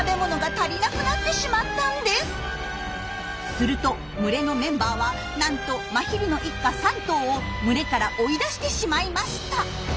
すると群れのメンバーはなんとマヒリの一家３頭を群れから追い出してしまいました。